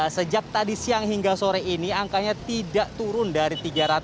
jadi sejak tadi siang hingga sore ini angkanya tidak turun dari tiga ratus